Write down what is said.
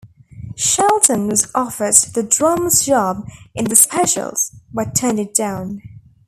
Shelton was offered the drummer's job in The Specials but turned it down.